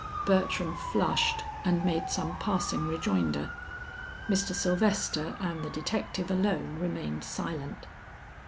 Bertram flushed and made some passing rejoinder; Mr. Sylvester and the detective alone remained silent.